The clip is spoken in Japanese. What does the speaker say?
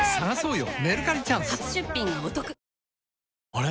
あれ？